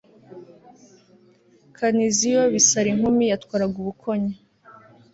Kaniziyo Bisarinkumi yatwaraga Ubukonya